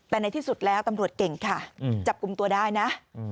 แต่ในที่สุดแล้วตำรวจเก่งค่ะจับกลุ่มตัวได้นะ